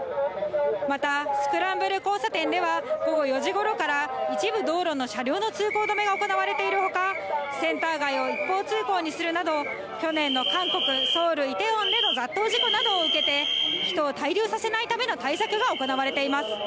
また、スクランブル交差点では、午後４時ごろから一部道路の車両の通行止めが行われているほか、センター街を一方通行にするなど、去年の韓国・ソウル・イテウォンの雑踏事故などを受けて、人を滞留させないための対策が行われています。